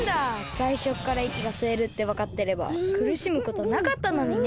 さいしょからいきがすえるってわかってればくるしむことなかったのにね。